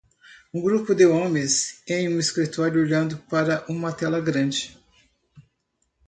Um grupo de homens em um escritório olhando para uma tela grande.